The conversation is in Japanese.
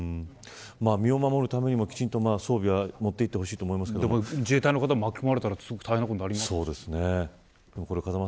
身を守るためにもきちんと装備は持っていってほしいと自衛隊の方も巻き込まれたら大変なことになりますよね。